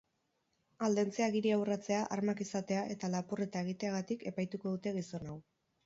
Aldentze agiria urratzea, armak izatea eta lapurreta egiteagatik epaituko dute gizon hau.